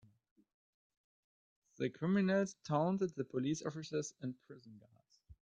The criminals taunted the police officers and prison guards.